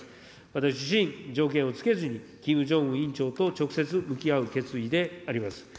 私自身、条件を付けずに、キム・ジョンウン委員長と直接向き合う決意であります。